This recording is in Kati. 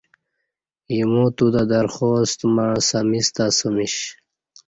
ایمو تو تہ درخواست مع سمیستہ اسہ میش۔